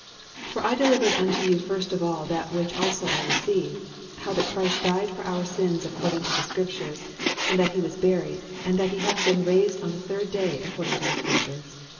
"For I delivered unto you first of all that which also I received, how that Christ died for our sins according to the scriptures; and that he was buried; and that he hath been raised on the third day according to the scriptures."